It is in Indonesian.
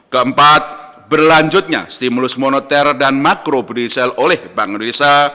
keempat berlanjutnya stimulus moneter dan makro berinisial oleh bank indonesia